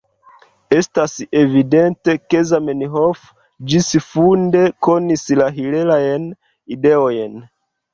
Estas evidente, ke Zamenhof ĝisfunde konis la hilelajn ideojn.